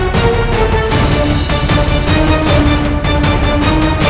kalau tidak mau melawanku